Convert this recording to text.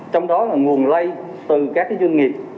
trong đó là nguồn lây từ các doanh nghiệp